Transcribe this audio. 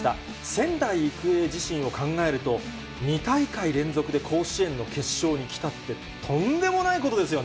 仙台育英自身を考えると、２大会連続で甲子園の決勝に来たってとんでもないことですよね。